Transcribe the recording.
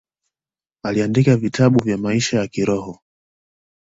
Aliandika vitabu vya maisha ya kiroho.